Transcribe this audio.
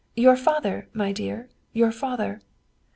' Your father, my dear, your father.'